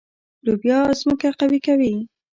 لوبیا ځمکه قوي کوي.